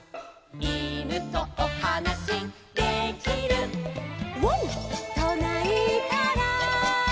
「いぬとおはなしできる」「ワンとないたら」